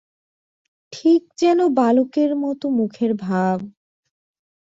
ঠিক যেন বালকের মতো মুখের ভাব।